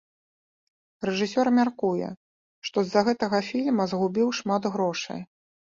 Рэжысёр мяркуе, што з-за гэтага фільм згубіў шмат грошай.